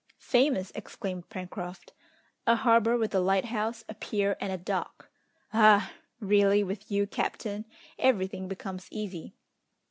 "Famous!" exclaimed Pencroft. "A harbour with a lighthouse, a pier, and a dock! Ah! really with you, captain, everything becomes easy."